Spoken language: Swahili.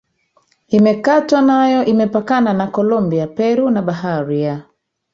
imekatwa nayo Imepakana na Kolombia Peru na Bahari ya